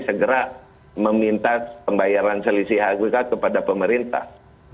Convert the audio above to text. segera meminta pembayaran selisih kepada pemerintah